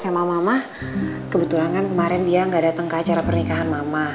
saya sama mama kebetulan kan kemarin dia gak dateng ke acara pernikahan mama